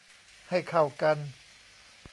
ให้เข้ากัน